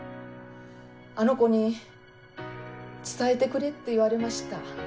あの子に「伝えてくれ」って言われました。